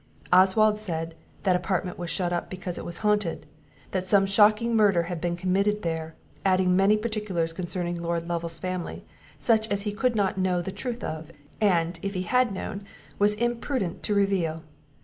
Oswald said, that apartment was shut up because it was haunted; that some shocking murder had been committed there; adding many particulars concerning Lord Lovel's family, such as he could not know the truth of, and, if he had known, was imprudent to reveal.